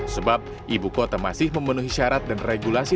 sebab ibu kota masih memenuhi syarat dan regulasi